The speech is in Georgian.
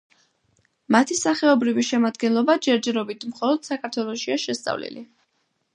მათი სახეობრივი შემადგენლობა ჯერჯერობით მხოლოდ საქართველოშია შესწავლილი.